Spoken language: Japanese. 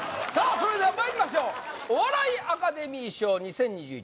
それではまいりましょうお笑いアカデミー賞２０２１